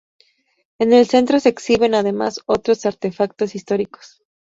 En el centro se exhiben, además, otros artefactos históricos.